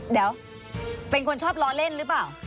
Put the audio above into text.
เดี๋ยวเป็นคนชอบล้อเล่นหรือเปล่า